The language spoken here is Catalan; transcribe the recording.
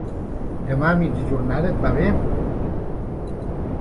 Demà a mitja jornada, et va bé?